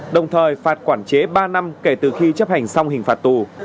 đồng thời phạt quản chế ba năm kể từ khi chấp hành xong hình phạt tù